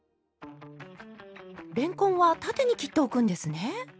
れんこんは縦に切っておくんですね？